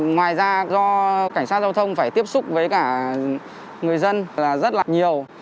ngoài ra do cảnh sát giao thông phải tiếp xúc với cả người dân là rất là nhiều